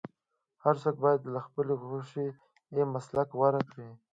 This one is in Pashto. هر څوک باید د خپلې خوښې مسلک غوره کړي.